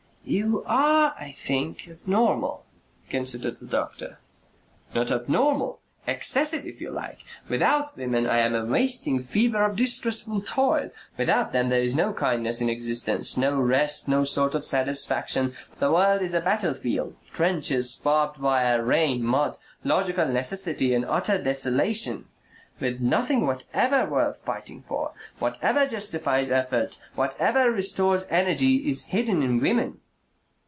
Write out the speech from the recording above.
"You are, I think, abnormal," considered the doctor. "Not abnormal. Excessive, if you like. Without women I am a wasting fever of distressful toil. Without them there is no kindness in existence, no rest, no sort of satisfaction. The world is a battlefield, trenches, barbed wire, rain, mud, logical necessity and utter desolation with nothing whatever worth fighting for. Whatever justifies effort, whatever restores energy is hidden in women...."